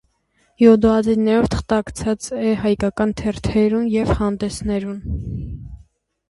Յօդուածներով թղթակցած է հայկական թերթերուն եւ հանդէսներուն։